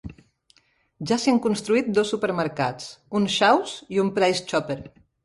Ja s'hi han construït dos supermercats, un Shaw's i un Price Chopper.